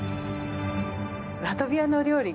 ラトビアのお料理